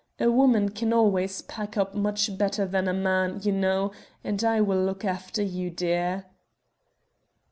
A woman can always pack up much better than a man, you know, and I will look after you, dear."